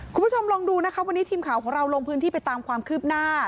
คุณผู้ชมลองดูนะคะวันนี้ทีมข่าวของเราลงพื้นที่ไปตามความคืบหน้า